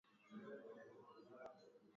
viazi lishe hurekebisha mfumo wa upumuaji